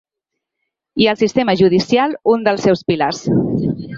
I el sistema judicial, un dels seus pilars.